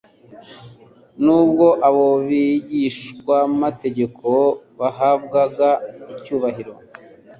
Nubwo abo bigishamategeko bahabwaga icyubahiro